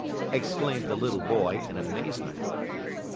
exclaimed the little boy, in amazement.